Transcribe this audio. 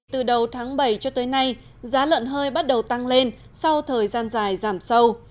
từ đầu tháng bảy cho tới nay giá lợn hơi bắt đầu tăng lên sau thời gian dài giảm sâu